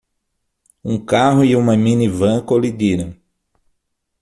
Um carro e uma minivan colidiram.